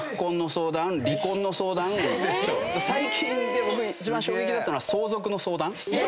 最近で僕一番衝撃だったのが相続の相談。